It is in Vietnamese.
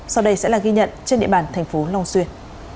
sau đây sẽ là ghi nhận trên địa bàn thành phố long xuyên